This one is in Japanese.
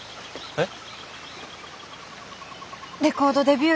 えっ？